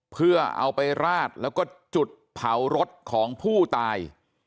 เพื่อเอาไปราดแล้วก็จุดเผารถของผู้ตาย